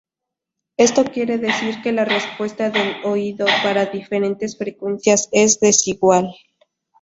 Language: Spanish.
Esto quiere decir que la respuesta del oído para diferentes frecuencias es desigual.